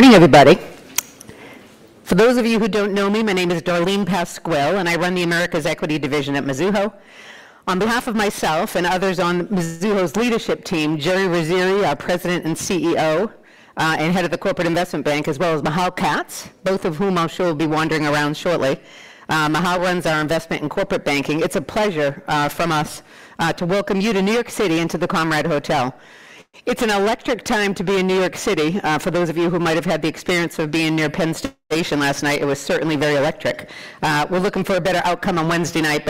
Morning, everybody. For those of you who don't know me, my name is Darlene Pasquill, and I run the Americas Equity Division at Mizuho. On behalf of myself and others on Mizuho's leadership team, Jerry Rizzieri, our President and CEO, and Head of the Corporate Investment Bank, as well as Michal Katz, both of whom I'm sure will be wandering around shortly. Michal runs our Investment and Corporate Banking. It's a pleasure from us to welcome you to New York City and to the Conrad Hotel. It's an electric time to be in New York City. For those of you who might have had the experience of being near Penn Station last night, it was certainly very electric. It was a great night to be out. We're looking for a better outcome on Wednesday night.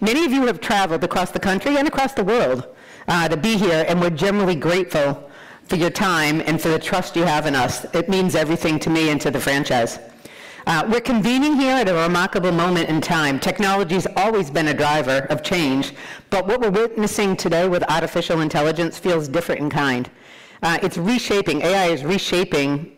Many of you have traveled across the country and across the world to be here, and we're genuinely grateful for your time and for the trust you have in us. It means everything to me and to the franchise. We're convening here at a remarkable moment in time. Technology's always been a driver of change. What we're witnessing today with artificial intelligence feels different in kind. AI is reshaping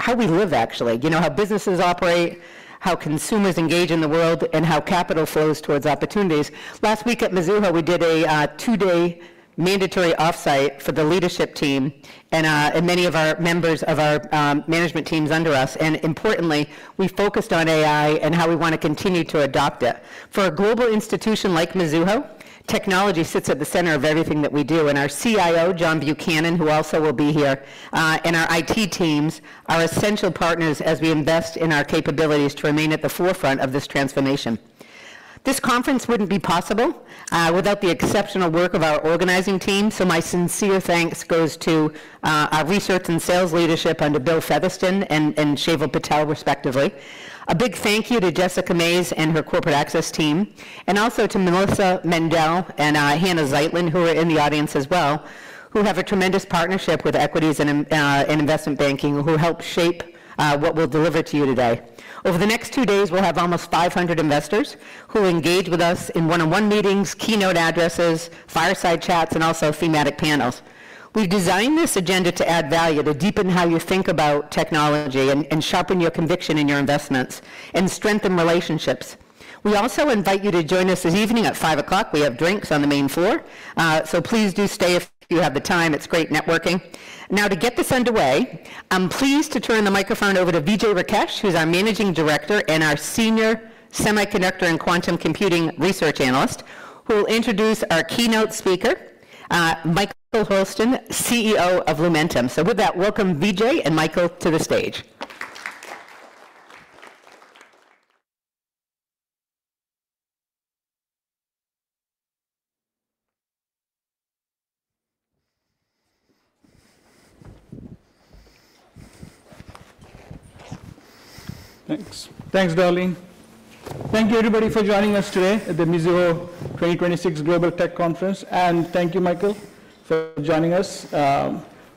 how we live, actually. How businesses operate, how consumers engage in the world, and how capital flows towards opportunities. Last week at Mizuho, we did a two-day mandatory offsite for the leadership team and many of our members of our management teams under us. Importantly, we focused on AI and how we want to continue to adopt it. For a global institution like Mizuho, technology sits at the center of everything that we do. Our CIO, John Buchanan, who also will be here, and our IT teams are essential partners as we invest in our capabilities to remain at the forefront of this transformation. This conference wouldn't be possible without the exceptional work of our organizing team. My sincere thanks goes to our Research and Sales Leadership under Bill Featherston and Shaival Patel, respectively. A big thank you to Jessica Mays and her Corporate Access Team. Also to Melissa Mendel and Hannah Zeitlin, who are in the audience as well, who have a tremendous partnership with Equities and Investment Banking, who helped shape what we will deliver to you today. Over the next two days, we will have almost 500 investors who will engage with us in one-on-one meetings, keynote addresses, fireside chats, and also thematic panels. We've designed this agenda to add value, to deepen how you think about technology, and sharpen your conviction in your investments, and strengthen relationships. We also invite you to join us this evening at 5:00 P.M. We have drinks on the main floor. Please do stay if you have the time. It's great networking. Now to get this underway, I'm pleased to turn the microphone over to Vijay Rakesh, who's our Managing Director and our Senior Semiconductor and Quantum Computing Research Analyst, who will introduce our keynote speaker, Michael Hurlston, CEO of Lumentum. With that, welcome Vijay and Michael to the stage. Thanks. Thanks, Darlene. Thank you, everybody, for joining us today at the Mizuho 2026 Global Tech Conference. Thank you, Michael, for joining us.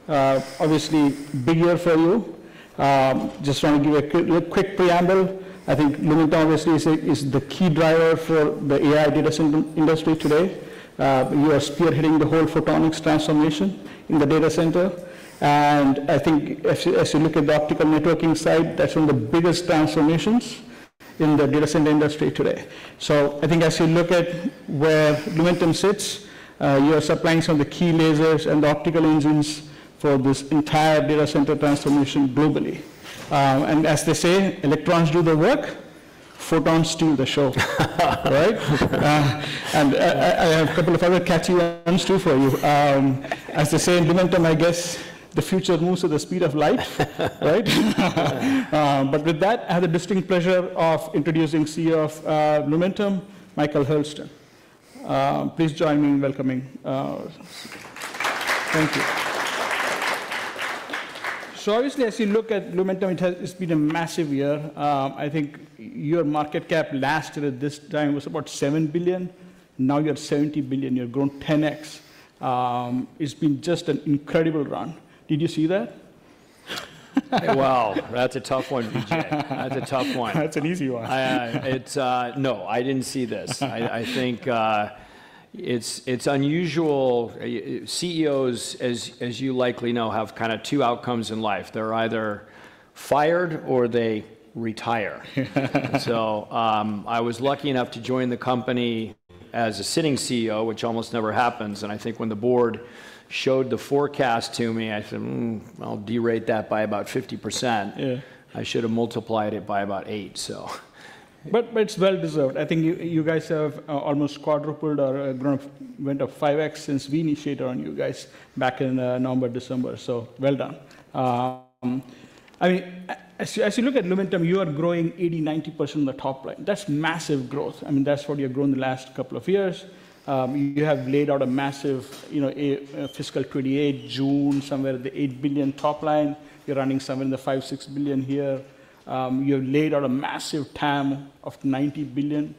Obviously, big year for you. Just want to give a quick preamble. Lumentum obviously is the key driver for the AI data center industry today. You are spearheading the whole photonics transformation in the data center, and as you look at the optical networking side, that's one of the biggest transformations in the data center industry today. As you look at where Lumentum sits, you are supplying some of the key lasers and the optical engines for this entire data center transformation globally. As they say, electrons do the work, photons steal the show. Right? I have a couple of other catchy ones too for you. As they say in Lumentum, the future moves at the speed of light. Right? With that, I have the distinct pleasure of introducing CEO of Lumentum, Michael Hurlston. Please join me in welcoming. Thank you. Obviously, as you look at Lumentum, it's been a massive year. Your market cap last year at this time was about $7 billion. Now you're $70 billion. You've grown 10x. It's been just an incredible run. Did you see that? That's a tough one, Vijay. That's a tough one. That's an easy one. No, I didn't see this. I think it's unusual. CEOs, as you likely know, have two outcomes in life. They're either fired, or they retire. I was lucky enough to join the company as a sitting CEO, which almost never happens, and I think when the board showed the forecast to me, I said, "Hmm, I'll de-rate that by about 50%. Yeah. I should've multiplied it by about eight, so It's well deserved. I think you guys have almost quadrupled or went up 5x since we initiated on you guys back in November, December. Well done. As you look at Lumentum, you are growing 80, 90% on the top line. That's massive growth. That's what you have grown in the last couple of years. You have laid out a massive fiscal 2028, June, somewhere with the $8 billion top line. You're running somewhere in the $5, $6 billion here. You have laid out a massive TAM of $90 billion.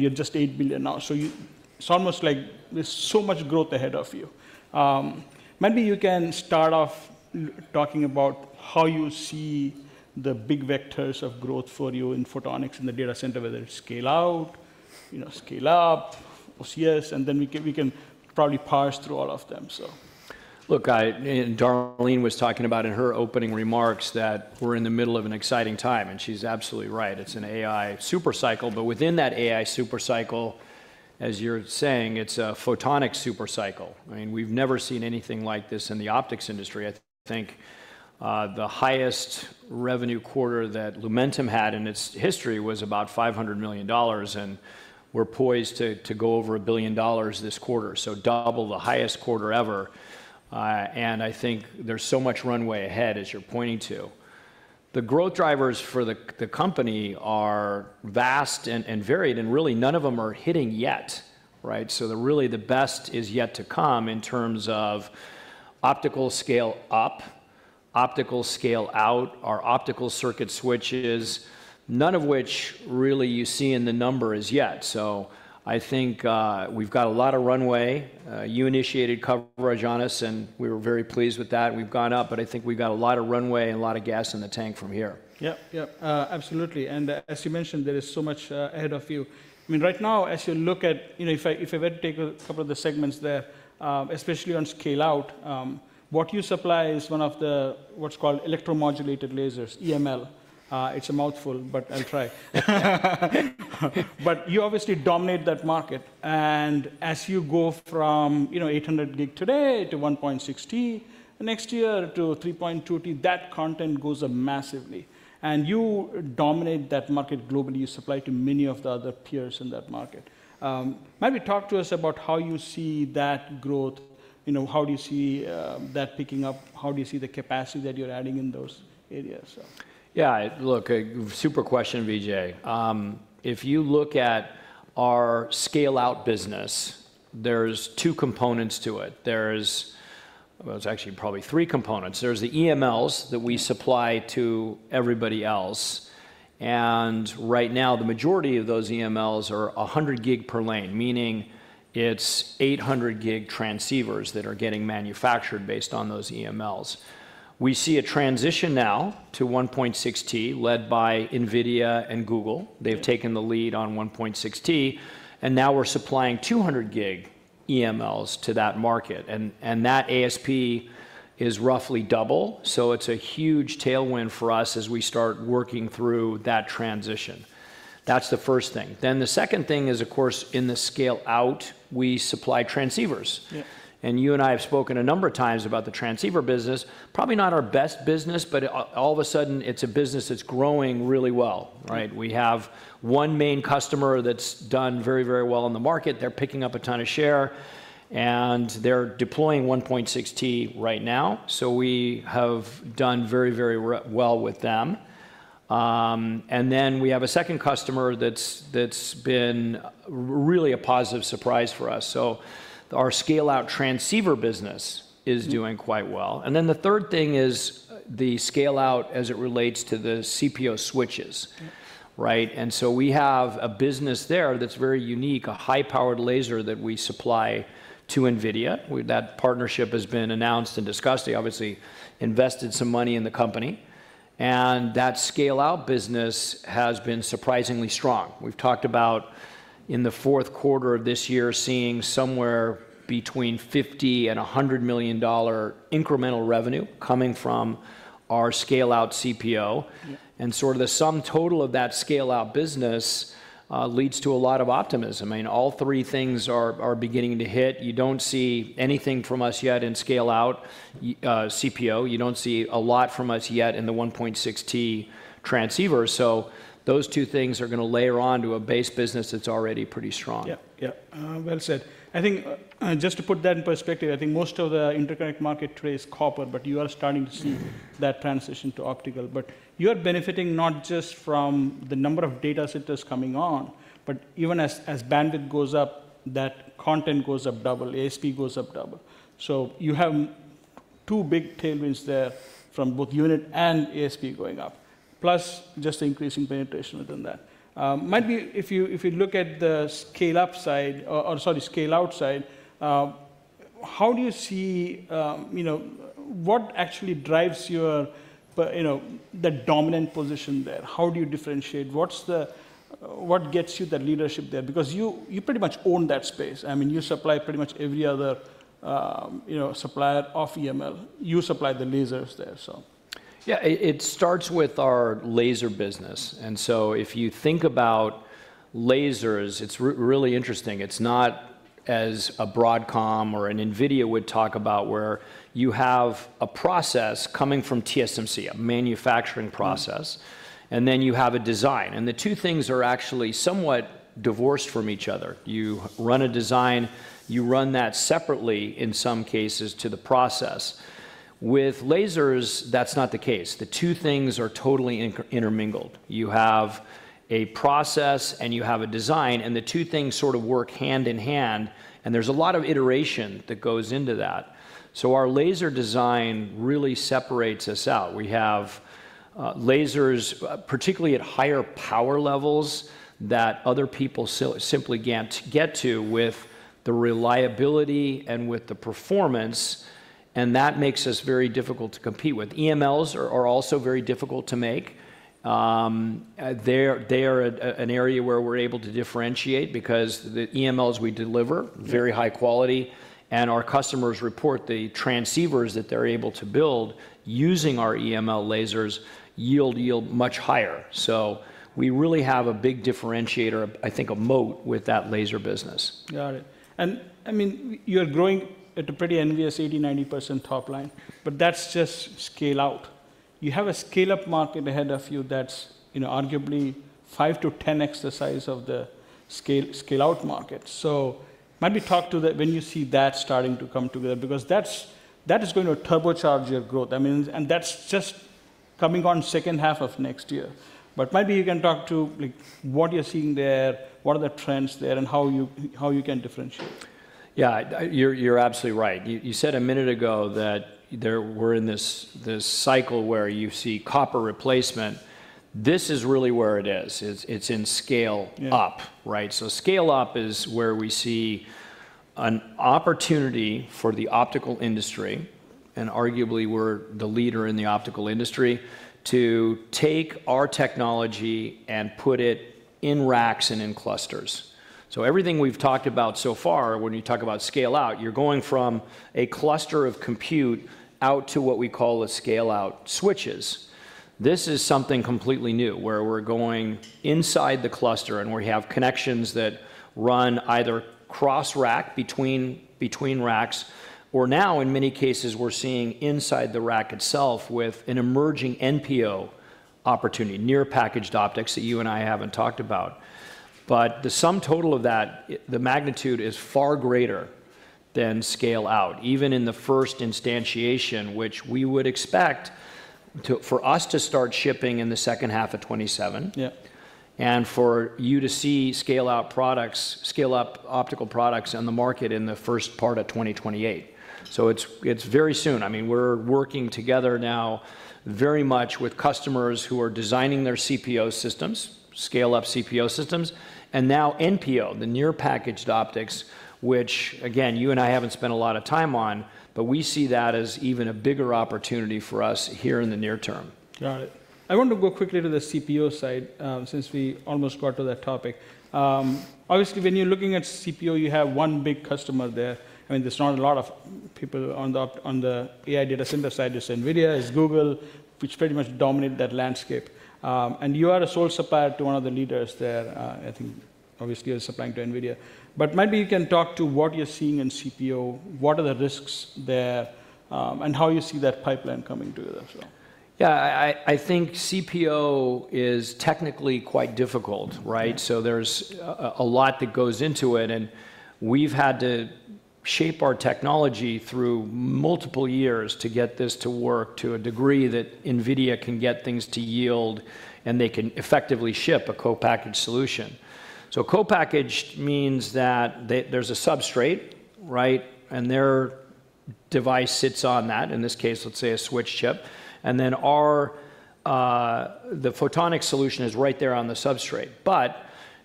You're just $8 billion now. It's almost like there's so much growth ahead of you. Maybe you can start off talking about how you see the big vectors of growth for you in photonics in the data center, whether it's scale out, scale up, OCS, and then we can probably parse through all of them, so Look, Darlene was talking about in her opening remarks that we're in the middle of an exciting time, and she's absolutely right. It's an AI super cycle. Within that AI super cycle. As you're saying, it's a photonic super cycle. We've never seen anything like this in the optics industry. I think the highest revenue quarter that Lumentum had in its history was about $500 million, and we're poised to go over $1 billion this quarter, so double the highest quarter ever. I think there's so much runway ahead, as you're pointing to. The growth drivers for the company are vast and varied, and really none of them are hitting yet. Really the best is yet to come in terms of optical scale up, optical scale out, our optical circuit switches, none of which really you see in the numbers yet. I think we've got a lot of runway. You initiated coverage on us, and we were very pleased with that. We've gone up, but I think we've got a lot of runway and a lot of gas in the tank from here. Yep. Absolutely. As you mentioned, there is so much ahead of you. Right now, if I were to take a couple of the segments there, especially on scale out, what you supply is one of the, what's called externally-modulated lasers, EML. It's a mouthful, but I'll try. You obviously dominate that market. As you go from 800G today to 1.6T next year to 3.2T, that content goes up massively. You dominate that market globally. You supply to many of the other peers in that market. Maybe talk to us about how you see that growth. How do you see that picking up? How do you see the capacity that you're adding in those areas? Yeah. Look, super question, Vijay. If you look at our scale-out business, there's two components to it. There's actually probably three components. There's the EMLs that we supply to everybody else, and right now the majority of those EMLs are 100G per lane, meaning it's 800G transceivers that are getting manufactured based on those EMLs. We see a transition now to 1.6T led by NVIDIA and Google. Yeah. They've taken the lead on 1.6T, now we're supplying 200G EMLs to that market. That ASP is roughly double, so it's a huge tailwind for us as we start working through that transition. That's the first thing. The second thing is, of course, in the scale out, we supply transceivers. Yeah. You and I have spoken a number of times about the transceiver business, probably not our best business, but all of a sudden, it's a business that's growing really well. Right. We have one main customer that's done very well in the market. They're picking up a ton of share, and they're deploying 1.6T right now. We have done very well with them. We have a second customer that's been really a positive surprise for us. Our scale out transceiver business is doing quite well. The third thing is the scale out as it relates to the CPO switches. Yeah. We have a business there that's very unique, a high-powered laser that we supply to NVIDIA. That partnership has been announced and discussed. They obviously invested some money in the company. That scale-out business has been surprisingly strong. We've talked about in the fourth quarter of this year, seeing somewhere between $50 million and $100 million incremental revenue coming from our scale-out CPO. Yeah. Sort of the sum total of that scale-out business leads to a lot of optimism. All three things are beginning to hit. You don't see anything from us yet in scale-out CPO. You don't see a lot from us yet in the 1.6T transceiver. Those two things are going to layer on to a base business that's already pretty strong. Yeah. Well said. I think just to put that in perspective, most of the interconnect market today is copper, but you are starting to see that transition to optical. You are benefiting not just from the number of data centers coming on, but even as bandwidth goes up, that content goes up double, ASP goes up double. You have two big tailwinds there from both unit and ASP going up. Plus just increasing penetration within that. If you look at the scale out side, how do you see what actually drives the dominant position there? How do you differentiate? What gets you the leadership there? You pretty much own that space. You supply pretty much every other supplier of EML. You supply the lasers there. Yeah. It starts with our laser business. If you think about lasers, it's really interesting. It's not as a Broadcom or an NVIDIA would talk about where you have a process coming from TSMC, a manufacturing process, and then you have a design, and the two things are actually somewhat divorced from each other. You run a design, you run that separately, in some cases, to the process. With lasers, that's not the case. The two things are totally intermingled. You have a process and you have a design, and the two things sort of work hand in hand, and there's a lot of iteration that goes into that. Our laser design really separates us out. We have lasers, particularly at higher power levels that other people simply can't get to with the reliability and with the performance, and that makes us very difficult to compete with. EMLs are also very difficult to make. They are an area where we're able to differentiate because the EMLs we deliver, very high quality, and our customers report the transceivers that they're able to build using our EML lasers yield much higher. We really have a big differentiator, I think a moat with that laser business. Got it. You're growing at a pretty envious 80%, 90% top line, but that's just scale out. You have a scale-up market ahead of you that's arguably 5 to 10x the size of the scale-out market. Talk to when you see that starting to come together, because that is going to turbocharge your growth. That's just coming on second half of next year. You can talk to what you're seeing there, what are the trends there, and how you can differentiate. Yeah. You're absolutely right. You said a minute ago that we're in this cycle where you see copper replacement. This is really where it is. It's in scale-up. Yeah. Right? Scale-up is where we see an opportunity for the optical industry, and arguably we're the leader in the optical industry, to take our technology and put it in racks and in clusters. Everything we've talked about so far, when you talk about scale-out, you're going from a cluster of compute out to what we call a scale-out switches. This is something completely new, where we're going inside the cluster, and we have connections that run either cross-rack between racks, or now in many cases, we're seeing inside the rack itself with an emerging NPO opportunity, near packaged optics, that you and I haven't talked about. The sum total of that, the magnitude is far greater than scale-out, even in the first instantiation, which we would expect for us to start shipping in the second half of 2027. Yeah. For you to see scale-up optical products on the market in the first part of 2028. It's very soon. We're working together now very much with customers who are designing their CPO systems, scale-up CPO systems, and now NPO, the near packaged optics, which again, you and I haven't spent a lot of time on, but we see that as even a bigger opportunity for us here in the near term. Got it. I want to go quickly to the CPO side, since we almost got to that topic. Obviously, when you're looking at CPO, you have one big customer there. There's NVIDIA, there's Google, which pretty much dominate that landscape. You are a sole supplier to one of the leaders there, I think obviously you're supplying to NVIDIA. Maybe you can talk to what you're seeing in CPO, what are the risks there, and how you see that pipeline coming together as well. Yeah. I think CPO is technically quite difficult, right? There's a lot that goes into it, and we've had to shape our technology through multiple years to get this to work to a degree that NVIDIA can get things to yield, and they can effectively ship a co-packaged solution. Co-packaged means that there's a substrate, right? Their device sits on that, in this case, let's say a switch chip. Then the photonic solution is right there on the substrate.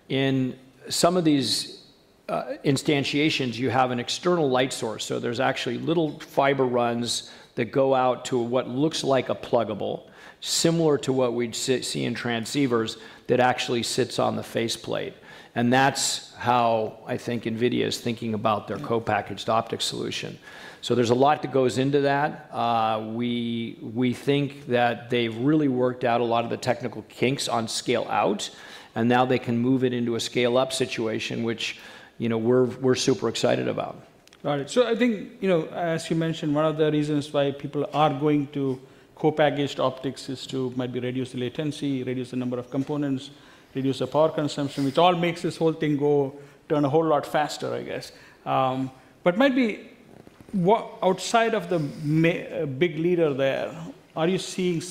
In some of these instantiations, you have an External Light Source, so there's actually little fiber runs that go out to what looks like a pluggable, similar to what we'd see in transceivers, that actually sits on the faceplate. That's how I think NVIDIA is thinking about their co-packaged optic solution. There's a lot that goes into that. We think that they've really worked out a lot of the technical kinks on scale-out, and now they can move it into a scale-up situation, which we're super excited about. Got it. I think, as you mentioned, one of the reasons why people are going to co-packaged optics is to maybe reduce the latency, reduce the number of components, reduce the power consumption, which all makes this whole thing turn a whole lot faster, I guess. Maybe outside of the big leader there, are you seeing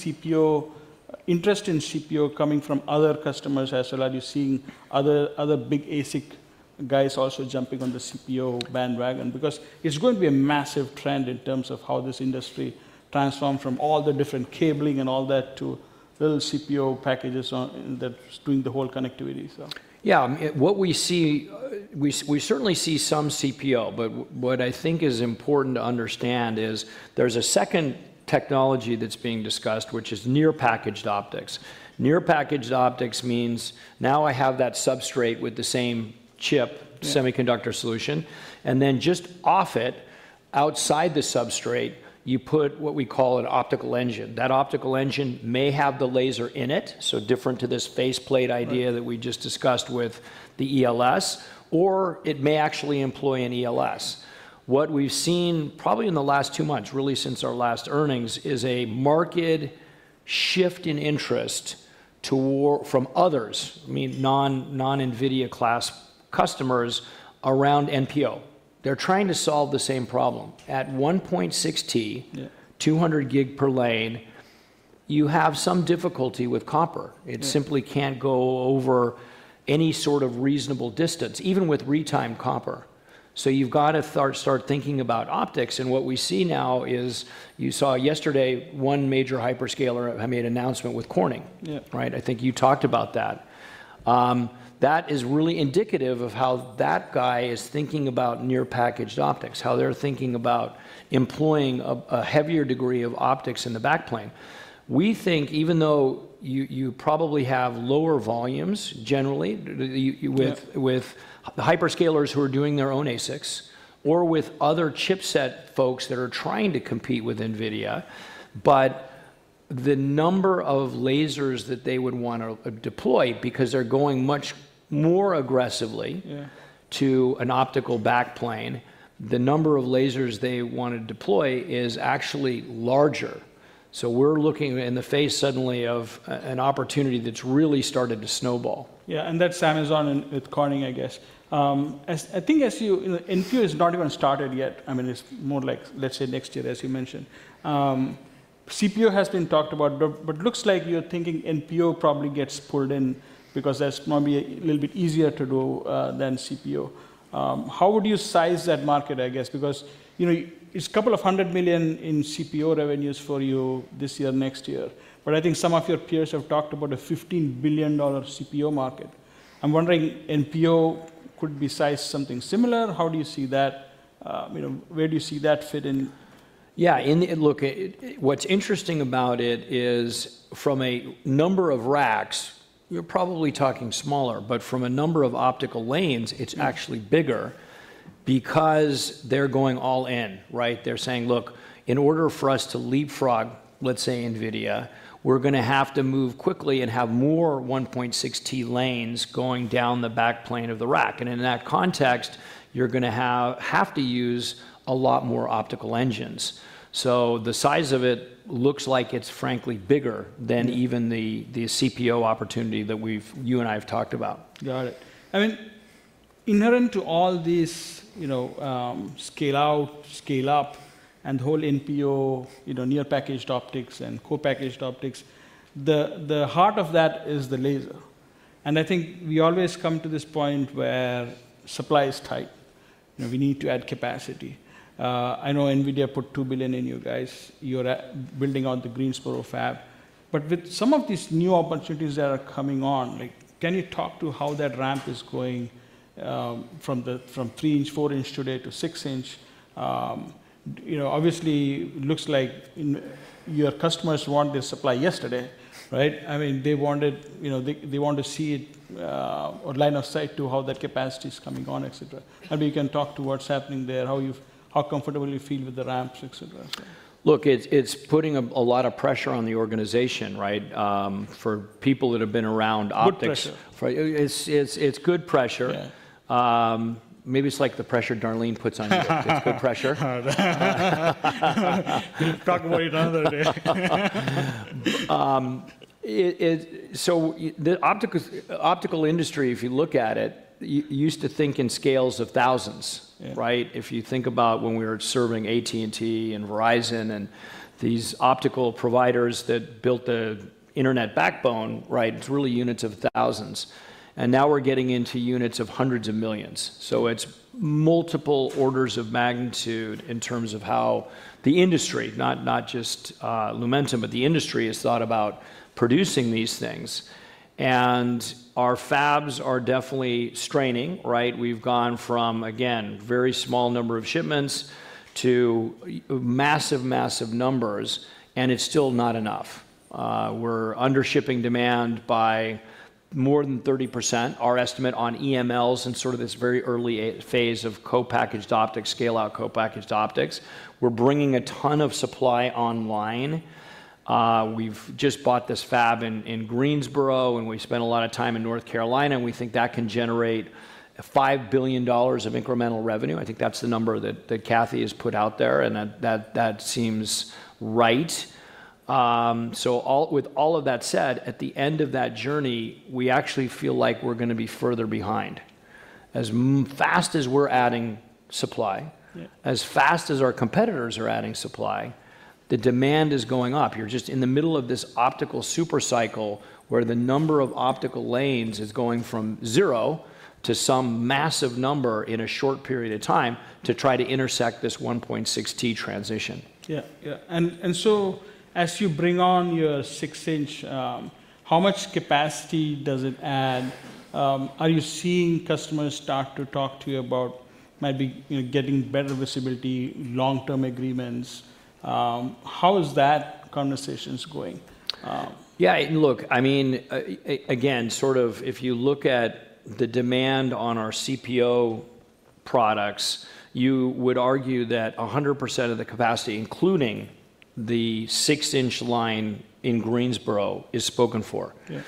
interest in CPO coming from other customers as well? Are you seeing other big ASIC guys also jumping on the CPO bandwagon? It's going to be a massive trend in terms of how this industry transforms from all the different cabling and all that to little CPO packages that's doing the whole connectivity. Yeah. We certainly see some CPO, what I think is important to understand is there's a second technology that's being discussed, which is near-packaged optics. Near-packaged optics means now I have that substrate with the same chip. Yeah Semiconductor solution, and then just off it, outside the substrate, you put what we call an optical engine. That optical engine may have the laser in it, so different to this faceplate idea that we just discussed with the ELS, or it may actually employ an ELS. What we've seen probably in the last two months, really since our last earnings, is a market shift in interest from others, non-NVIDIA class customers, around NPO. They're trying to solve the same problem. At 1.6T- Yeah 200G per lane, you have some difficulty with copper. Yeah. It simply can't go over any sort of reasonable distance, even with retimed copper. You've got to start thinking about optics, and what we see now is, you saw yesterday, one major hyperscaler made an announcement with Corning. Yeah. Right? I think you talked about that. That is really indicative of how that guy is thinking about near-packaged optics, how they're thinking about employing a heavier degree of optics in the backplane. We think even though you probably have lower volumes generally. Yeah With the hyperscalers who are doing their own ASICs or with other chipset folks that are trying to compete with NVIDIA. The number of lasers that they would want to deploy, because they're going much more aggressively- Yeah To an optical back plane, the number of lasers they want to deploy is actually larger. We're looking in the face suddenly of an opportunity that's really started to snowball. Yeah, and that's Amazon and with Corning, I guess. I think NPO is not even started yet. It's more like, let's say next year, as you mentioned. CPO has been talked about, but looks like you're thinking NPO probably gets pulled in because that's maybe a little bit easier to do than CPO. How would you size that market, I guess, because it's a couple of hundred million in CPO revenues for you this year, next year. Some of your peers have talked about a $15 billion CPO market. I'm wondering, NPO could be sized something similar. How do you see that? Where do you see that fit in? Yeah. Look, what's interesting about it is from a number of racks, you're probably talking smaller, but from a number of optical lanes, it's actually bigger because they're going all in. Right? They're saying, "Look, in order for us to leapfrog, let's say NVIDIA, we're going to have to move quickly and have more 1.6T lanes going down the back plane of the rack." In that context, you're going to have to use a lot more optical engines. The size of it looks like it's frankly bigger than even the CPO opportunity that you and I have talked about. Got it. Inherent to all these scale out, scale up, and whole NPO, near-packaged optics and co-packaged optics, the heart of that is the laser. I think we always come to this point where supply is tight, we need to add capacity. I know NVIDIA put $2 billion in you guys. You're building out the Greensboro fab. With some of these new opportunities that are coming on, can you talk to how that ramp is going from 3-inch, 4-inch today to 6-inch? Obviously, looks like your customers want their supply yesterday. Right? They want to see it or line of sight to how that capacity is coming on, et cetera. Maybe you can talk to what's happening there, how comfortable you feel with the ramps, et cetera. Look, it's putting a lot of pressure on the organization. Right? For people that have been around optics- Good pressure it's good pressure. Yeah. Maybe it's like the pressure Darlene Pasquill puts on you. It's good pressure. Talk way the other day. The optical industry, if you look at it, used to think in scales of thousands. Yeah. Right? If you think about when we were serving AT&T and Verizon and these optical providers that built the internet backbone. It's really units of thousands. Now we're getting into units of hundreds of millions. It's multiple orders of magnitude in terms of how the industry, not just Lumentum, but the industry has thought about producing these things. Our fabs are definitely straining. We've gone from, again, very small number of shipments to massive numbers, and it's still not enough. We're under shipping demand by more than 30%, our estimate on EMLs and sort of this very early phase of co-packaged optics, scale out co-packaged optics. We're bringing a ton of supply online. We've just bought this fab in Greensboro, and we spent a lot of time in North Carolina, and we think that can generate $5 billion of incremental revenue. I think that's the number that Kathy has put out there, and that seems right. With all of that said, at the end of that journey, we actually feel like we're going to be further behind. As fast as we're adding supply- Yeah As fast as our competitors are adding supply, the demand is going up. You're just in the middle of this optical super cycle where the number of optical lanes is going from zero to some massive number in a short period of time to try to intersect this 1.6T transition. Yeah. As you bring on your six-inch, how much capacity does it add? Are you seeing customers start to talk to you about maybe getting better visibility, long-term agreements? How is that conversations going? Yeah, look, again, if you look at the demand on our CPO products, you would argue that 100% of the capacity, including the six-inch line in Greensboro, is spoken for. Yeah.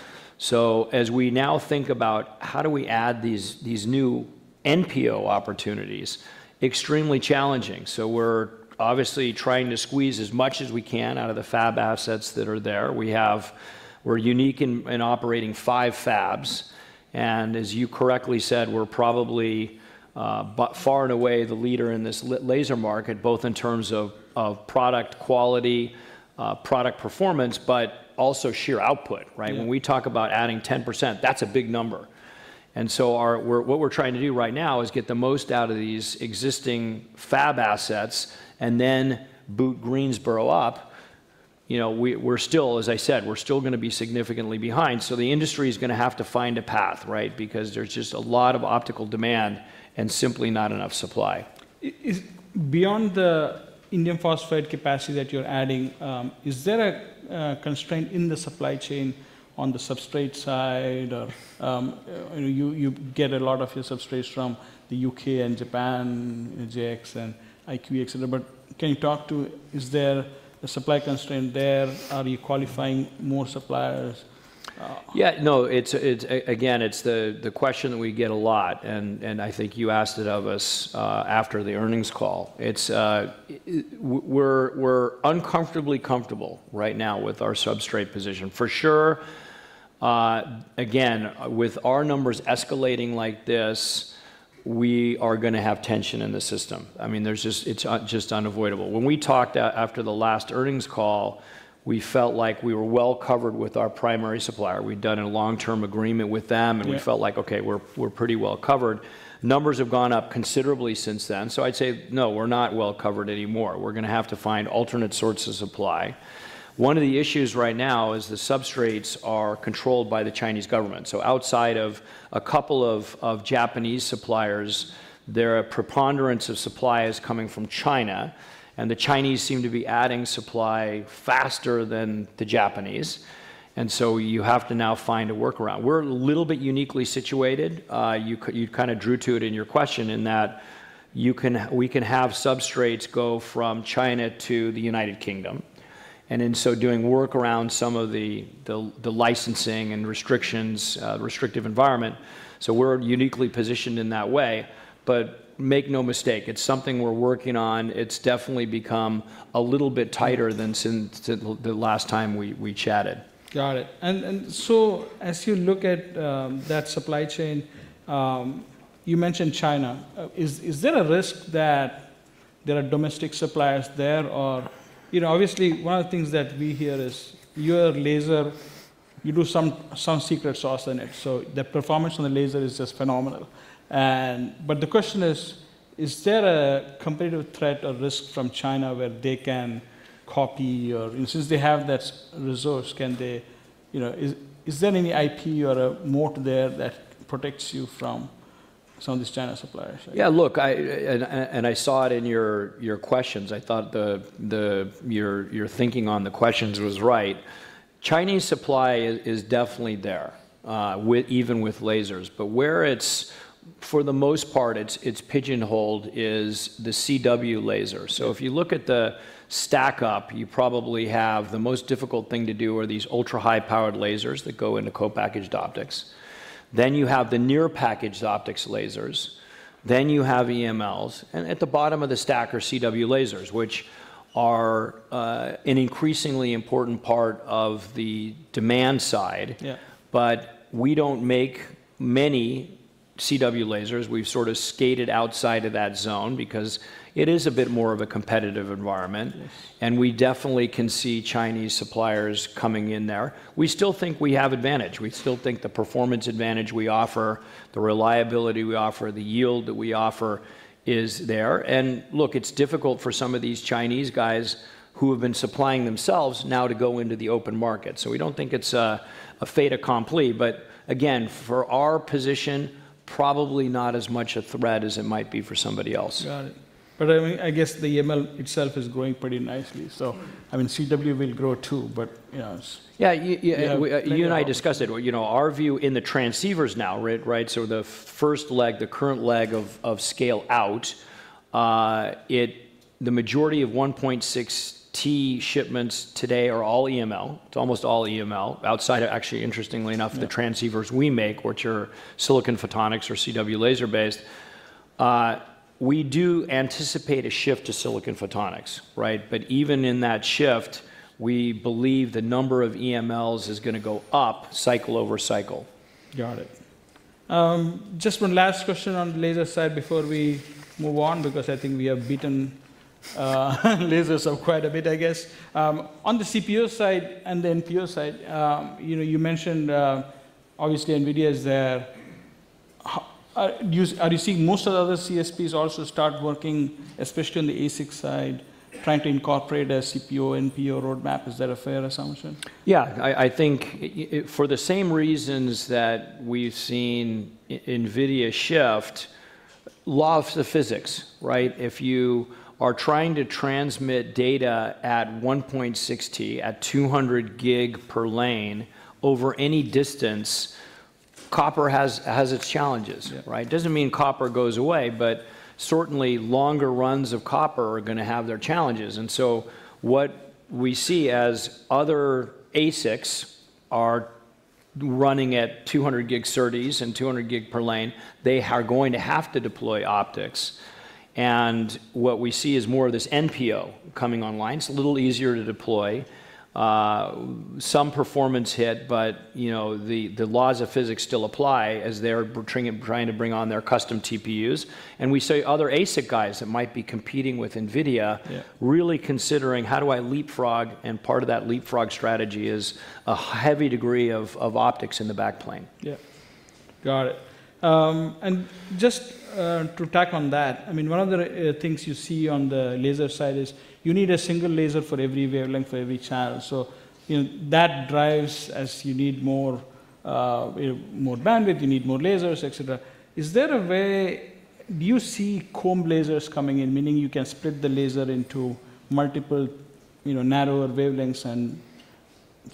As we now think about how do we add these new NPO opportunities, extremely challenging. We're obviously trying to squeeze as much as we can out of the fab assets that are there. We're unique in operating five fabs, and as you correctly said, we're probably far and away the leader in this laser market, both in terms of product quality, product performance, but also sheer output. Right? Yeah. When we talk about adding 10%, that's a big number. What we're trying to do right now is get the most out of these existing fab assets and then boot Greensboro up. As I said, we're still going to be significantly behind, the industry's going to have to find a path. There's just a lot of optical demand and simply not enough supply. Beyond the indium phosphide capacity that you're adding, is there a constraint in the supply chain on the substrate side? You get a lot of your substrates from the U.K. and Japan, JX and IQE, can you talk to, is there a supply constraint there? Are you qualifying more suppliers? Yeah. No. Again, it's the question that we get a lot, I think you asked it of us after the earnings call. We're uncomfortably comfortable right now with our substrate position. For sure. Again, with our numbers escalating like this, we are going to have tension in the system. It's just unavoidable. When we talked after the last earnings call, we felt like we were well covered with our primary supplier. We'd done a long-term agreement with them. Yeah. We felt like, okay, we're pretty well covered. Numbers have gone up considerably since then. I'd say, no, we're not well covered anymore. We're going to have to find alternate sources of supply. One of the issues right now is the substrates are controlled by the Chinese government. Outside of a couple of Japanese suppliers, their preponderance of supply is coming from China. The Chinese seem to be adding supply faster than the Japanese. You have to now find a workaround. We're a little bit uniquely situated. You drew to it in your question in that we can have substrates go from China to the U.K., and in so doing work around some of the licensing and restrictions, restrictive environment. We're uniquely positioned in that way. Make no mistake, it's something we're working on. It's definitely become a little bit tighter than since the last time we chatted. Got it. As you look at that supply chain, you mentioned China. Is there a risk that there are domestic suppliers there? Obviously, one of the things that we hear is your laser, you do some secret sauce in it. The performance on the laser is just phenomenal. The question is there a competitive threat or risk from China where they can copy your? Since they have that resource, is there any IP or a moat there that protects you from some of these China suppliers? I saw it in your questions. I thought your thinking on the questions was right. Chinese supply is definitely there, even with lasers. Where, for the most part, it's pigeonholed is the CW laser. If you look at the stack up, you probably have the most difficult thing to do are these ultra-high-powered lasers that go into co-packaged optics. You have the near-packaged optics lasers. You have EMLs. At the bottom of the stack are CW lasers, which are an increasingly important part of the demand side. Yeah. We don't make many CW lasers. We've sort of skated outside of that zone because it is a bit more of a competitive environment. Yes. We definitely can see Chinese suppliers coming in there. We still think we have advantage. We still think the performance advantage we offer, the reliability we offer, the yield that we offer is there. Look, it's difficult for some of these Chinese guys who have been supplying themselves now to go into the open market. We don't think it's a fait accompli, but again, for our position, probably not as much a threat as it might be for somebody else. Got it. I guess the EML itself is growing pretty nicely. CW will grow, too, but yes. Yeah. Yeah. You and I discussed it. Our view in the transceivers now, right? The first leg, the current leg of scale-out, the majority of 1.6T shipments today are all EML. It's almost all EML. Yeah The transceivers we make, which are silicon photonics or CW laser-based. We do anticipate a shift to silicon photonics, right? Even in that shift, we believe the number of EMLs is going to go up cycle over cycle. Got it. Just one last question on the laser side before we move on, because I think we have beaten lasers up quite a bit, I guess. On the CPO side and the NPO side, you mentioned obviously NVIDIA is there. Are you seeing most of the other CSPs also start working, especially on the ASIC side, trying to incorporate a CPO, NPO roadmap? Is that a fair assumption? Yeah. I think for the same reasons that we've seen NVIDIA shift, laws of physics, right? If you are trying to transmit data at 1.6T at 200 gig per lane over any distance, copper has its challenges, right? Yeah. Doesn't mean copper goes away, certainly longer runs of copper are going to have their challenges. What we see as other ASICs are running at 200 gig SERDES and 200 gig per lane, they are going to have to deploy optics. What we see is more of this NPO coming online. It's a little easier to deploy. Some performance hit, but the laws of physics still apply as they're trying to bring on their custom TPUs. We see other ASIC guys that might be competing with NVIDIA. Yeah Really considering how do I leapfrog. Part of that leapfrog strategy is a heavy degree of optics in the back plane. Yeah. Got it. Just to tack on that, one of the things you see on the laser side is you need a single laser for every wavelength, for every channel. That drives as you need more bandwidth, you need more lasers, et cetera. Is there a way, do you see comb lasers coming in, meaning you can split the laser into multiple narrower wavelengths,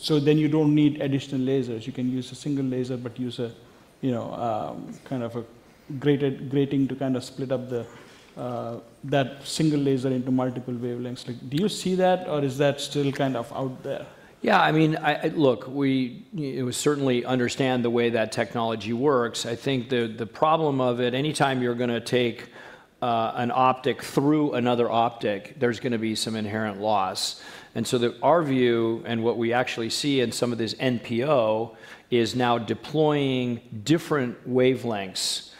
you don't need additional lasers? You can use a single laser, but use a grating to split up that single laser into multiple wavelengths. Do you see that, or is that still out there? Yeah. Look, we certainly understand the way that technology works. I think the problem of it, anytime you're going to take an optic through another optic, there's going to be some inherent loss. Our view and what we actually see in some of this NPO is now deploying different wavelengths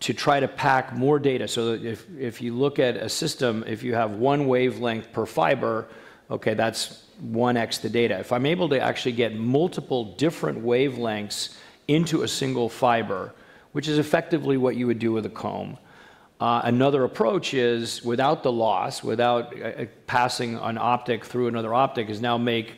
to try to pack more data. If you look at a system, if you have one wavelength per fiber, okay, that's 1x the data. If I'm able to actually get multiple different wavelengths into a single fiber, which is effectively what you would do with a comb. Another approach is, without the loss, without passing an optic through another optic, is now make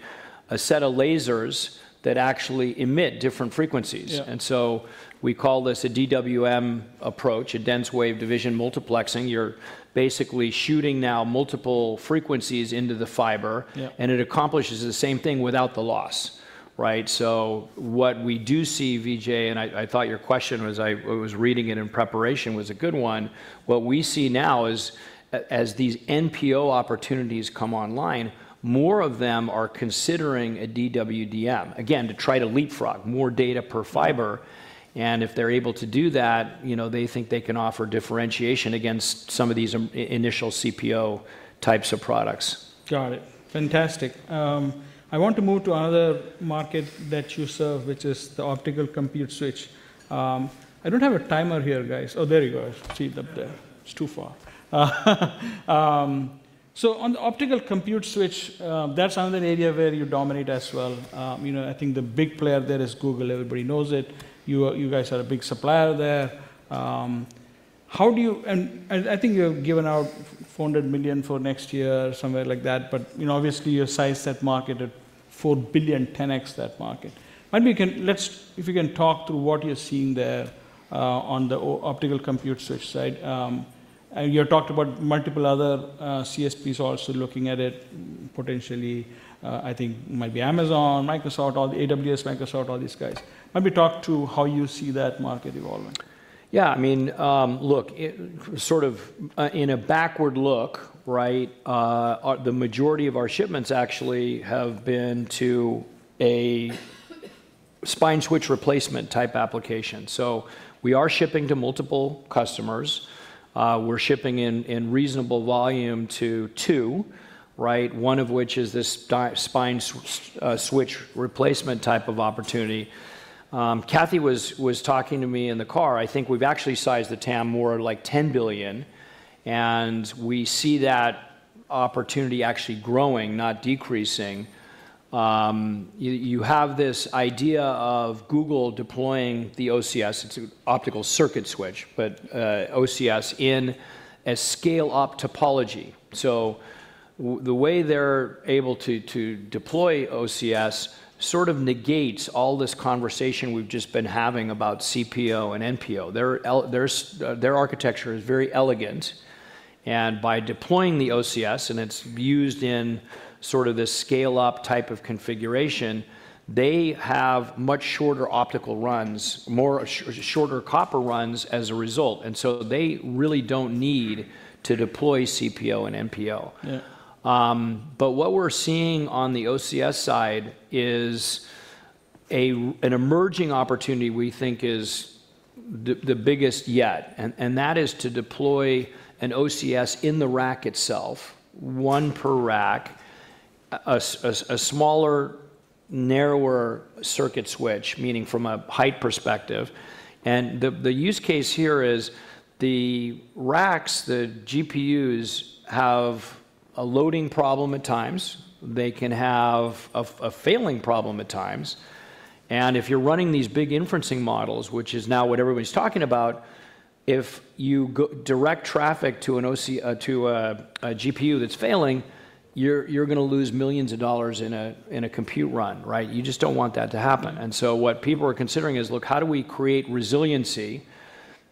a set of lasers that actually emit different frequencies. Yeah. We call this a DWDM approach, a dense wavelength division multiplexing. You're basically shooting now multiple frequencies into the fiber. Yeah. It accomplishes the same thing without the loss. What we do see, Vijay, and I thought your question, I was reading it in preparation, was a good one. What we see now is, as these NPO opportunities come online, more of them are considering a DWDM, again, to try to leapfrog more data per fiber. If they're able to do that, they think they can offer differentiation against some of these initial CPO types of products. Got it. Fantastic. I want to move to another market that you serve, which is the optical circuit switch. I don't have a timer here, guys. Oh, there you go. I see it up there. It's too far. On the optical circuit switch, that's another area where you dominate as well. I think the big player there is Google. Everybody knows it. You guys are a big supplier there. I think you have given out $400 million for next year, somewhere like that, but obviously you size that market at $4 billion, 10x that market. If you can talk through what you're seeing there, on the optical circuit switch side. You talked about multiple other CSPs also looking at it potentially. I think it might be Amazon, Microsoft, all the AWS, Microsoft, all these guys. Talk to how you see that market evolving. Look, in a backward look, the majority of our shipments actually have been to a spine switch replacement type application. We are shipping to multiple customers. We're shipping in reasonable volume to two. One of which is this spine switch replacement type of opportunity. Kathy was talking to me in the car, I think we've actually sized the TAM more like $10 billion, and we see that opportunity actually growing, not decreasing. You have this idea of Google deploying the OCS, it's an optical circuit switch, but OCS in a scale-up topology. The way they're able to deploy OCS sort of negates all this conversation we've just been having about CPO and NPO. Their architecture is very elegant, and by deploying the OCS, and it's used in this scale-up type of configuration, they have much shorter optical runs, much shorter copper runs as a result. They really don't need to deploy CPO and NPO. Yeah. What we're seeing on the OCS side is an emerging opportunity we think is the biggest yet. That is to deploy an OCS in the rack itself, one per rack, a smaller, narrower circuit switch, meaning from a height perspective. The use case here is the racks, the GPUs, have a loading problem at times. They can have a failing problem at times. If you're running these big inferencing models, which is now what everybody's talking about, if you direct traffic to a GPU that's failing, you're going to lose millions of dollars in a compute run. You just don't want that to happen. What people are considering is, look, how do we create resiliency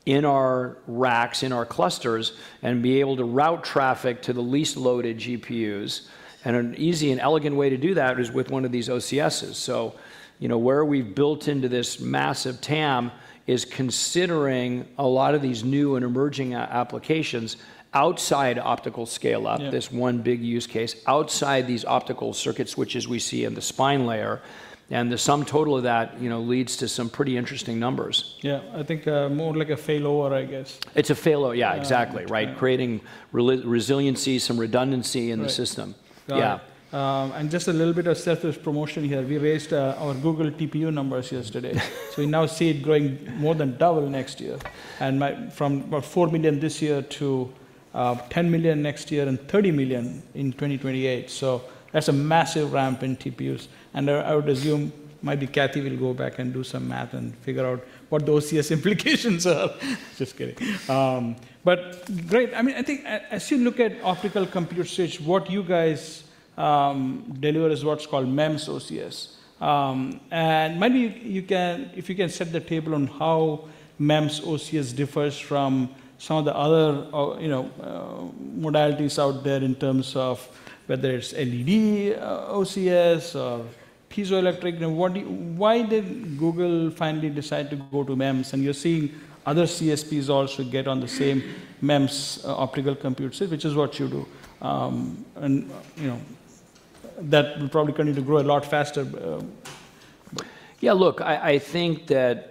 in our racks, in our clusters, and be able to route traffic to the least loaded GPUs? An easy and elegant way to do that is with one of these OCSs. Where we've built into this massive TAM is considering a lot of these new and emerging applications outside optical scale-up- Yeah This one big use case, outside these optical circuit switches we see in the spine layer. The sum total of that leads to some pretty interesting numbers. Yeah, I think more like a failover, I guess. It's a failover, yeah, exactly. Creating resiliency, some redundancy in the system. Right. Yeah. Got it. Just a little bit of selfless promotion here. We raised our Google TPU numbers yesterday. We now see it growing more than double next year. From $4 million this year to $10 million next year and $30 million in 2028. That's a massive ramp in TPUs, and I would assume maybe Kathy will go back and do some math and figure out what those OCS implications are. Just kidding. Great. I think as you look at optical circuit switch, what you guys deliver is what's called MEMS OCS. Maybe if you can set the table on how MEMS OCS differs from some of the other modalities out there in terms of whether it's LED OCS or piezoelectric. Why did Google finally decide to go to MEMS? You're seeing other CSPs also get on the same MEMS optical circuit switch, which is what you do. That will probably continue to grow a lot faster. Yeah, look, I think that,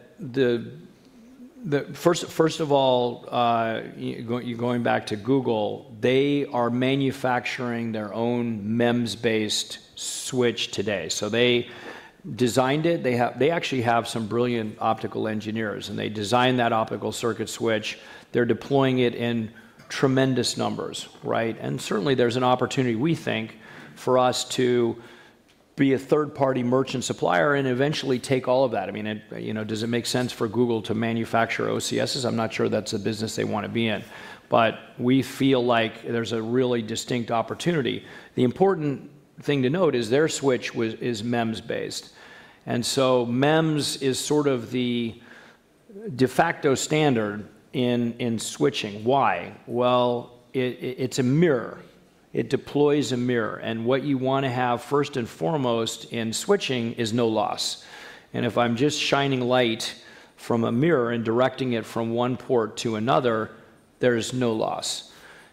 first of all, going back to Google, they are manufacturing their own MEMS-based switch today. They designed it. They actually have some brilliant optical engineers, and they designed that optical circuit switch. They're deploying it in tremendous numbers. Certainly, there's an opportunity, we think, for us to be a third-party merchant supplier and eventually take all of that. Does it make sense for Google to manufacture OCSs? I'm not sure that's a business they want to be in. We feel like there's a really distinct opportunity. The important thing to note is their switch is MEMS-based. MEMS is sort of the de facto standard in switching. Why? Well, it's a mirror. It deploys a mirror. What you want to have first and foremost in switching is no loss. If I'm just shining light from a mirror and directing it from one port to another, there's no loss.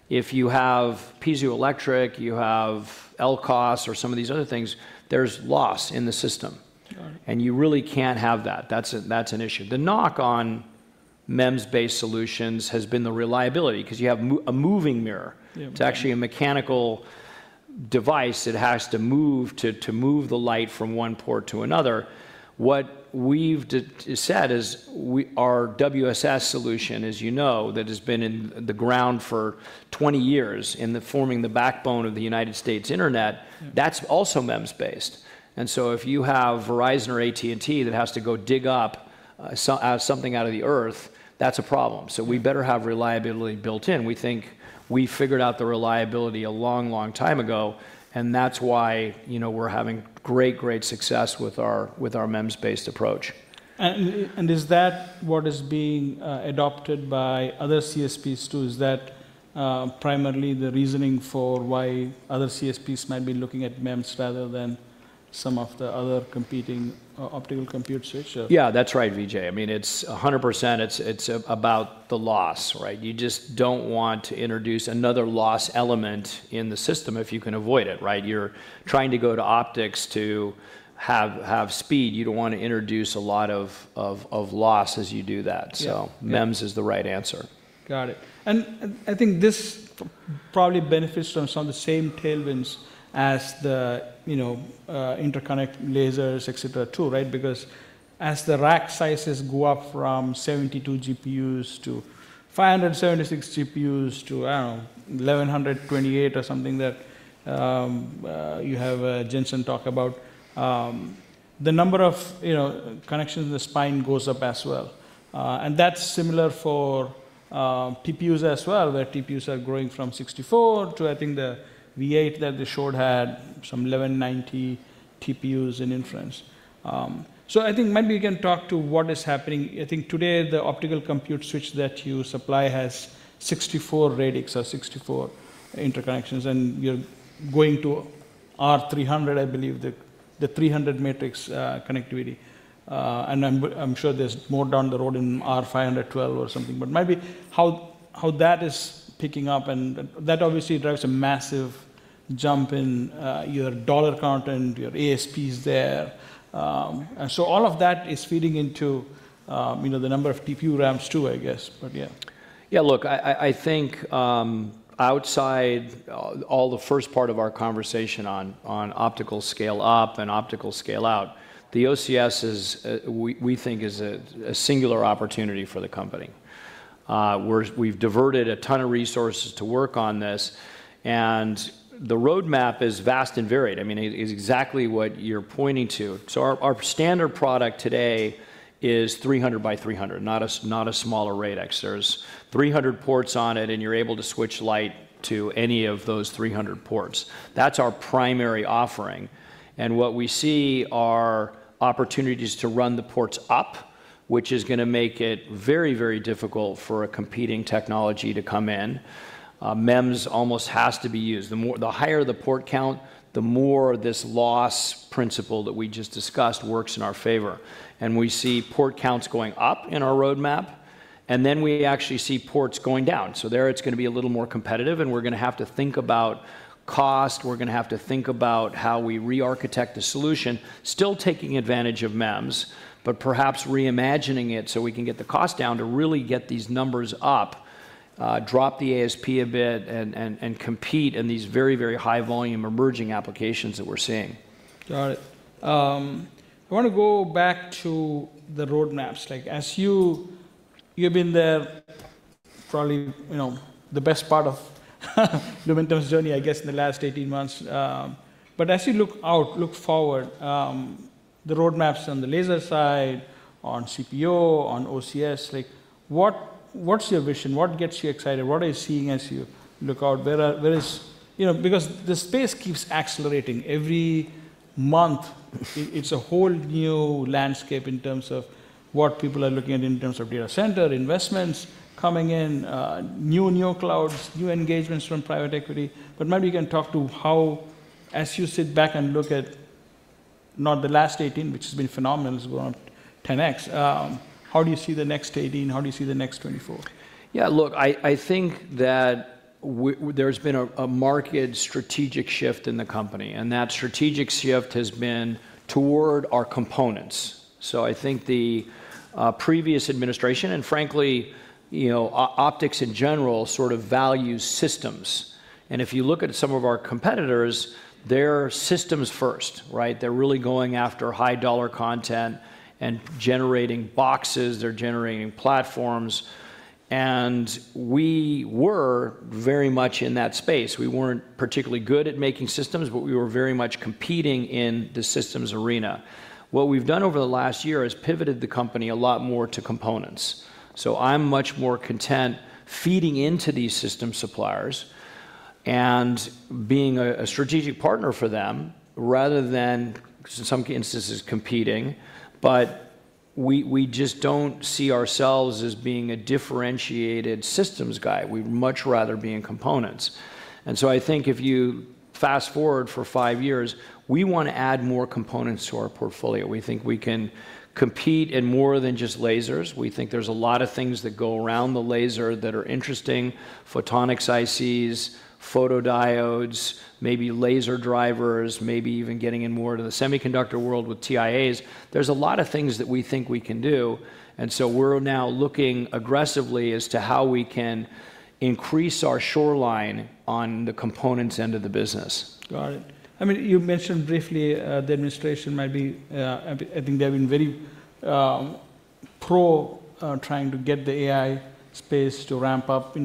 If you have piezoelectric, you have LCOS or some of these other things, there's loss in the system. Got it. You really can't have that. That's an issue. The knock on MEMS-based solutions has been the reliability because you have a moving mirror. Yeah. Moving. It's actually a mechanical device. It has to move to move the light from one port to another. What we've said is our WSS solution, as you know, that has been in the ground for 20 years in the forming the backbone of the United States internet, that's also MEMS-based. If you have Verizon or AT&T that has to go dig up something out of the earth, that's a problem. We better have reliability built in. We think we figured out the reliability a long time ago, and that's why we're having great success with our MEMS-based approach. Is that what is being adopted by other CSPs, too? Is that primarily the reasoning for why other CSPs might be looking at MEMS rather than some of the other competing optical circuit switches? Yeah, that's right, Vijay. It's 100% about the loss. You just don't want to introduce another loss element in the system if you can avoid it. You're trying to go to optics to have speed. You don't want to introduce a lot of loss as you do that. Yeah. MEMS is the right answer. Got it. I think this probably benefits from some of the same tailwinds as the interconnect lasers, et cetera, too. Because as the rack sizes go up from 72 GPUs to 576 GPUs to 1,128 or something that you have Jensen talk about, the number of connections in the spine goes up as well. That's similar for TPUs as well, where TPUs are growing from 64 to, I think, the V8 that the short had some 1,190 TPUs in inference. I think maybe we can talk to what is happening. I think today the optical circuit switch that you supply has 64 Radix or 64 interconnections, and you're going to R300, I believe, the 300 matrix connectivity. I'm sure there's more down the road in R512 or something. Maybe how that is picking up and that obviously drives a massive jump in your dollar content, your ASPs there. All of that is feeding into the number of TPU ramps, too, I guess. Yeah. Yeah, look, I think outside all the first part of our conversation on optical scale up and optical scale out, the OCS we think is a singular opportunity for the company, where we've diverted a ton of resources to work on this, and the roadmap is vast and varied. It is exactly what you're pointing to. Our standard product today is 300 by 300, not a smaller Radix. There's 300 ports on it, and you're able to switch light to any of those 300 ports. That's our primary offering. What we see are opportunities to run the ports up, which is going to make it very difficult for a competing technology to come in. MEMS almost has to be used. The higher the port count, the more this loss principle that we just discussed works in our favor. We see port counts going up in our roadmap, and then we actually see ports going down. There, it's going to be a little more competitive, and we're going to have to think about cost. We're going to have to think about how we rearchitect a solution, still taking advantage of MEMS, but perhaps reimagining it so we can get the cost down to really get these numbers up, drop the ASP a bit, and compete in these very high volume emerging applications that we're seeing. Got it. I want to go back to the roadmaps. You've been there probably the best part of Lumentum's journey, I guess, in the last 18 months. As you look out, look forward, the roadmaps on the laser side, on CPO, on OCS, what's your vision? What gets you excited? What are you seeing as you look out? The space keeps accelerating. Every month it's a whole new landscape in terms of what people are looking at in terms of data center investments coming in, new clouds, new engagements from private equity. Maybe we can talk to how, as you sit back and look at not the last 18, which has been phenomenal, has grown 10x, how do you see the next 18? How do you see the next 24? Yeah, look, I think there's been a marked strategic shift in the company, and that strategic shift has been toward our components. I think the previous administration and frankly, optics in general sort of value systems. If you look at some of our competitors, they're systems first, right? They're really going after high-dollar content and generating boxes. They're generating platforms. We were very much in that space. We weren't particularly good at making systems, but we were very much competing in the systems arena. What we've done over the last year is pivoted the company a lot more to components. I'm much more content feeding into these system suppliers and being a strategic partner for them rather than, in some instances, competing. We just don't see ourselves as being a differentiated systems guy. We'd much rather be in components. I think if you fast-forward for five years, we want to add more components to our portfolio. We think we can compete in more than just lasers. We think there's a lot of things that go around the laser that are interesting. Photonic ICs, photodiodes, maybe laser drivers, maybe even getting in more to the semiconductor world with TIAs. There's a lot of things that we think we can do. We're now looking aggressively as to how we can increase our shoreline on the components end of the business. Got it. You mentioned briefly the administration. I think they've been very pro trying to get the AI space to ramp up,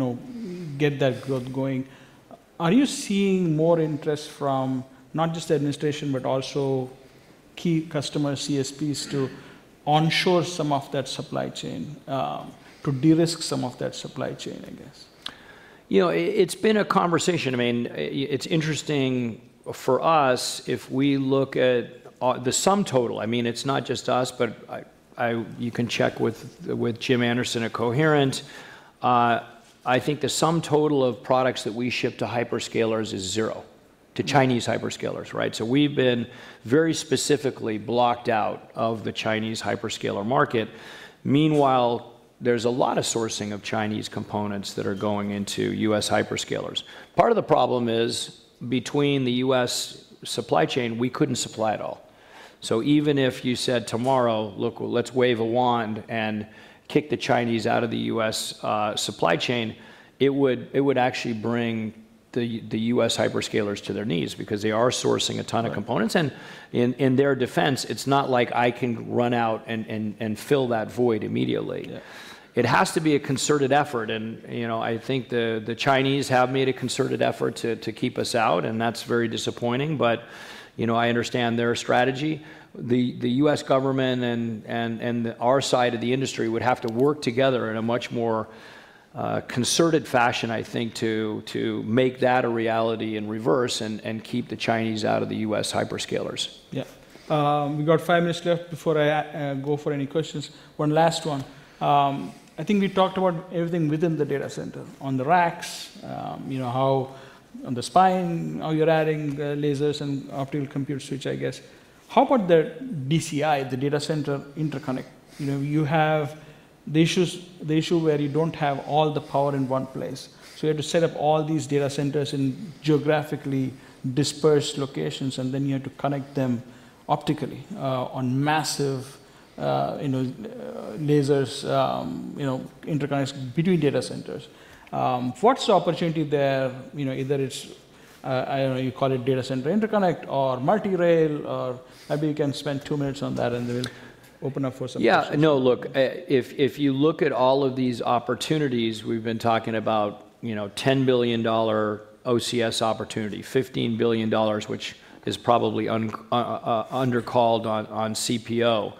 get that growth going. Are you seeing more interest from not just the administration, but also key customer CSPs to onshore some of that supply chain, to de-risk some of that supply chain, I guess? It's been a conversation. It's interesting for us if we look at the sum total. It's not just us, but you can check with Jim Anderson at Coherent. I think the sum total of products that we ship to hyperscalers is zero, to Chinese hyperscalers, right? We've been very specifically blocked out of the Chinese hyperscaler market. Meanwhile, there's a lot of sourcing of Chinese components that are going into U.S. hyperscalers. Part of the problem is between the U.S. supply chain, we couldn't supply it all. Even if you said tomorrow, "Look, let's wave a wand and kick the Chinese out of the U.S. supply chain," it would actually bring the U.S. hyperscalers to their knees because they are sourcing a ton of components. Right. In their defense, it's not like I can run out and fill that void immediately. Yeah. It has to be a concerted effort, and I think the Chinese have made a concerted effort to keep us out, and that's very disappointing, but I understand their strategy. The U.S. government and our side of the industry would have to work together in a much more concerted fashion, I think, to make that a reality in reverse and keep the Chinese out of the U.S. hyperscalers. Yeah. We've got five minutes left before I go for any questions. One last one. I think we talked about everything within the data center, on the racks, on the spine, how you're adding lasers and optical circuit switch, I guess. How about the DCI, the data center interconnect? You have the issue where you don't have all the power in one place. You have to set up all these data centers in geographically dispersed locations, and then you have to connect them optically on massive lasers interconnects between data centers. What's the opportunity there? Either it's, I don't know, you call it data center interconnect or multi-rail or maybe you can spend two minutes on that, and then we'll open up for some questions. No, look, if you look at all of these opportunities, we've been talking about $10 billion OCS opportunity, $15 billion, which is probably undercalled on CPO.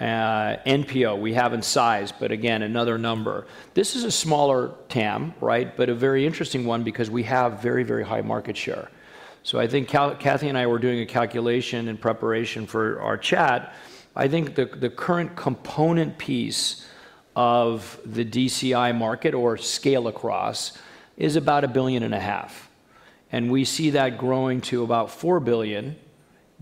NPO, we haven't sized, but again, another number. This is a smaller TAM, right? A very interesting one because we have very high market share. I think Kathy and I were doing a calculation in preparation for our chat. I think the current component piece of the DCI market or scale-across is about $1.5 billion. We see that growing to about $4 billion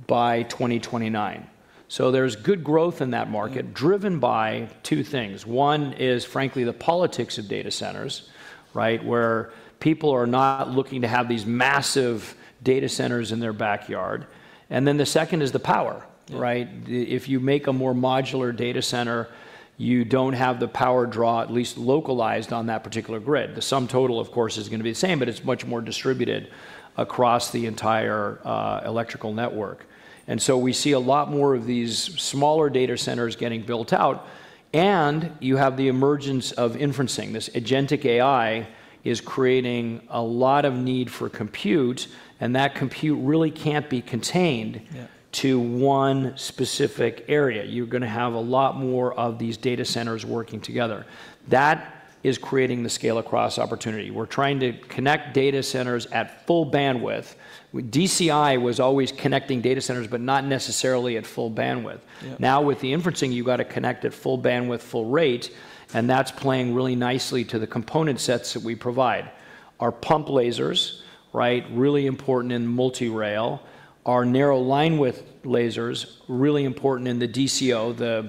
by 2029. There's good growth in that market driven by two things. One is, frankly, the politics of data centers, right? Where people are not looking to have these massive data centers in their backyard. The second is the power, right? Yeah. If you make a more modular data center, you don't have the power draw, at least localized on that particular grid. The sum total, of course, is going to be the same, but it's much more distributed across the entire electrical network. We see a lot more of these smaller data centers getting built out, and you have the emergence of inferencing. This agentic AI is creating a lot of need for compute, and that compute really can't be contained- Yeah To one specific area. You're going to have a lot more of these data centers working together. That is creating the scale-across opportunity. We're trying to connect data centers at full bandwidth. DCI was always connecting data centers, but not necessarily at full bandwidth. Yeah. Now with the inferencing, you got to connect at full bandwidth, full rate, and that's playing really nicely to the component sets that we provide. Our pump lasers, right, really important in multi-rail. Our narrow linewidth lasers, really important in the DCO, the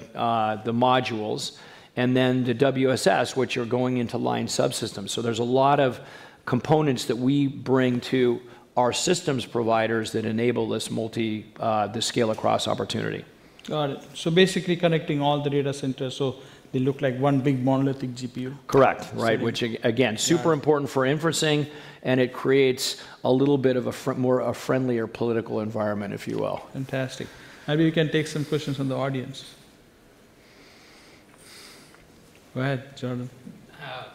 modules, and then the WSS, which are going into line subsystems. There's a lot of components that we bring to our systems providers that enable this scale-across opportunity. Got it. Basically connecting all the data centers so they look like one big monolithic GPU? Correct. I see. Which again, super important for inferencing, and it creates a little bit of a friendlier political environment, if you will. Fantastic. Maybe we can take some questions from the audience. Go ahead, Jordan.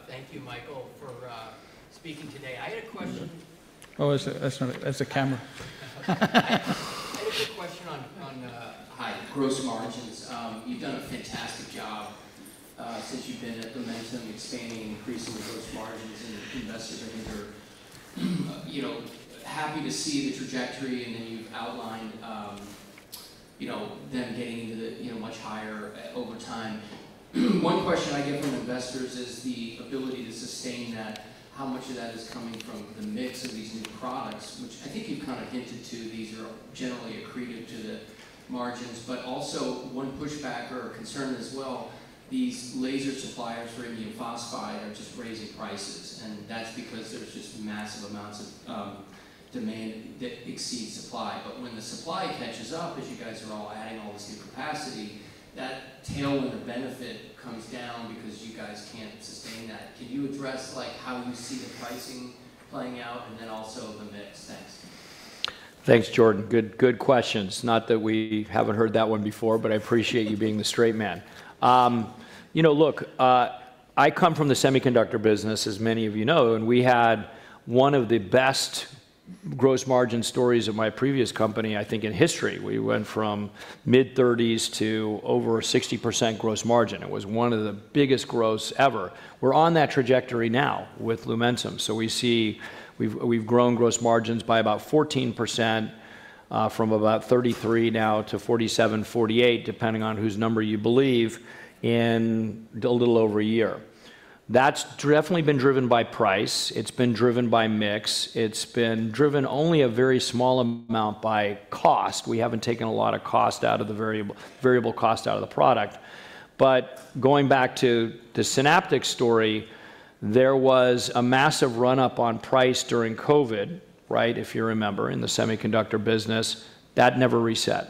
Thank you, Michael, for speaking today. I had a question. Oh, that's a camera. I had a quick question. Hi Gross margins. You've done a fantastic job since you've been at Lumentum, expanding and increasing the gross margins, and investors, I think are happy to see the trajectory, and then you've outlined them getting much higher over time. One question I get from investors is the ability to sustain that, how much of that is coming from the mix of these new products, which I think you've kind of hinted to, these are generally accretive to the margins. Also, one pushback or concern as well, these laser suppliers for indium phosphide are just raising prices, and that's because there's just massive amounts of demand that exceeds supply. When the supply catches up, as you guys are all adding all this new capacity, that tailwind of benefit comes down because you guys can't sustain that. Can you address how you see the pricing playing out and then also the mix? Thanks. Thanks, Jordan. Good questions. Not that we haven't heard that one before, but I appreciate you being the straight man. Look, I come from the semiconductor business, as many of you know, and we had one of the best gross margin stories of my previous company, I think, in history. We went from mid-30s to over 60% gross margin. It was one of the biggest growths ever. We're on that trajectory now with Lumentum. We've grown gross margins by about 14%, from about 33 now to 47, 48, depending on whose number you believe, in a little over a year. That's definitely been driven by price. It's been driven by mix. It's been driven only a very small amount by cost. We haven't taken a lot of the variable cost out of the product. Going back to the Synaptics story, there was a massive run-up on price during COVID, if you remember, in the semiconductor business. That never reset.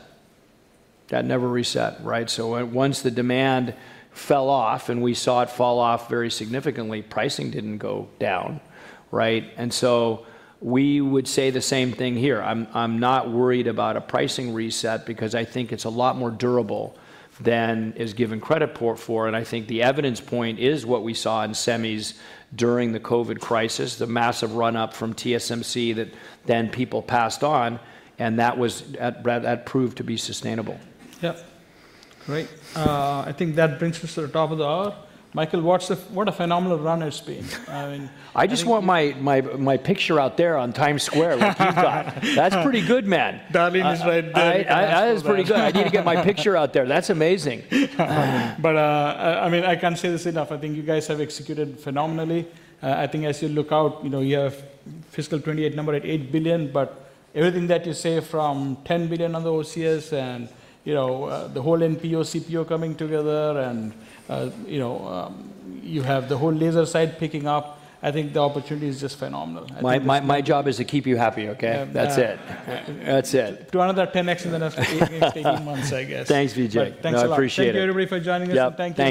Once the demand fell off, and we saw it fall off very significantly, pricing didn't go down. We would say the same thing here. I'm not worried about a pricing reset because I think it's a lot more durable than is given credit for, and I think the evidence point is what we saw in semis during the COVID crisis, the massive run-up from TSMC that people passed on, and that proved to be sustainable. Yep. Great. I think that brings us to the top of the hour. Michael, what a phenomenal run it's been. I mean- I just want my picture out there on Times Square like you've got. That's pretty good, man. Darlene is right there. That is pretty good. I need to get my picture out there. That's amazing. I can't say this enough, I think you guys have executed phenomenally. I think as you look out, you have fiscal 2028 number at $8 billion, but everything that you say from $10 billion on the OCS and the whole NPO, CPO coming together, and you have the whole laser side picking up, I think the opportunity is just phenomenal. My job is to keep you happy, okay? Yeah. That's it. Do another 10x in the next 18 months, I guess. Thanks, Vijay. All right. Thanks a lot. No, I appreciate it. Thank you, everybody, for joining us. Yep. Thank you